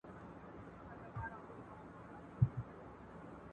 خپلې کمزورۍ په قوت بدلې کړئ.